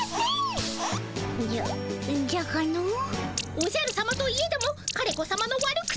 おじゃるさまといえども枯れ子さまの悪口